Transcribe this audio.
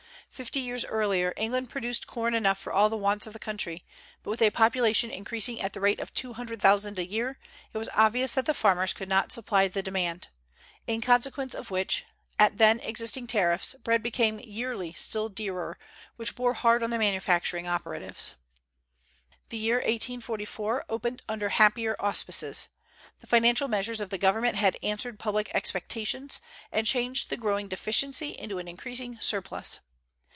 Fifty years earlier, England produced corn enough for all the wants of the country; but with a population increasing at the rate of two hundred thousand a year, it was obvious that the farmers could not supply the demand. In consequence of which, at then existing tariffs, bread became yearly still dearer, which bore hard on the manufacturing operatives. The year 1844 opened under happier auspices. The financial measures of the government had answered public expectations, and changed the growing deficiency into an increasing surplus.